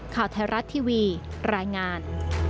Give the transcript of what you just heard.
ข่าวไทยรัฐทีวีรายงาน